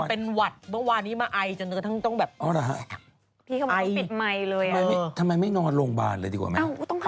สวัสดีค่ะสวัสดีค่ะเท้าไส้ไข่สดมายให้เยอะอื้อ